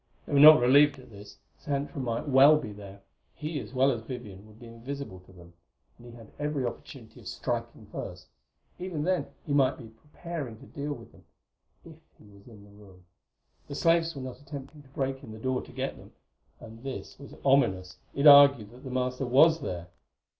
They were not relieved at this. Xantra might well be there; he, as well as Vivian, would be invisible to them. And he had every opportunity of striking first; even then he might be preparing to deal with them, if he was in the room. The slaves were not attempting to break in the door to get them and this was ominous: it argued that the master was there.